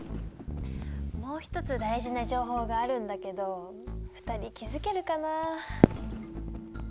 もう一つ大事な情報があるんだけど２人気付けるかな？